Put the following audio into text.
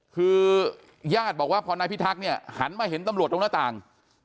คือยาดบอกว่าพอในปีทั้งเนี่ยหันมาเห็นตำรวจลงหน้าต่าง